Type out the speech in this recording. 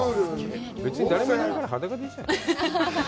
別に誰もいないから裸でいいじゃない。